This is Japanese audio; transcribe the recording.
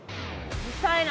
うるさいな。